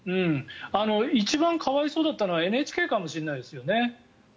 一番可哀想だったのはＮＨＫかもしれないですよね。